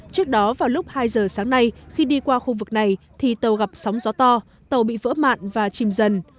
trước đó vào lúc hai giờ sáng nay khi đi qua khu vực này thì tàu gặp sóng gió to tàu bị vỡ mạn và chìm dần